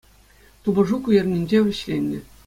Тупӑшу ку эрнинче вӗҫленнӗ.